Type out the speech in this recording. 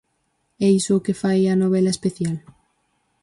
É iso o que fai a novela especial?